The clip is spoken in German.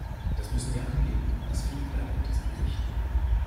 Das müssten wir angehen, aber das fehlt leider in diesen Berichten.